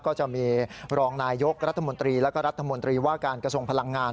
ก็จะมีรองนายยกรัฐมนตรีแล้วก็รัฐมนตรีว่าการกระทรวงพลังงาน